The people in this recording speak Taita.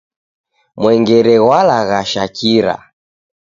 Mwengere ghwalaghasha kira